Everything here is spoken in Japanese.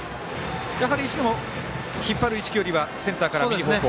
やはり石野も引っ張る意識よりはセンターより右方向